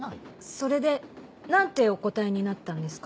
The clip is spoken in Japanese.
それで何てお答えになったんですか？